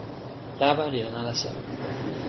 lawa li lon ala sewi